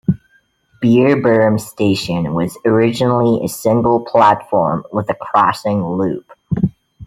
Beerburrum station was originally a single platform with a crossing loop.